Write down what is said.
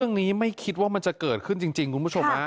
เรื่องนี้ไม่คิดว่ามันจะเกิดขึ้นจริงคุณผู้ชมอ่ะ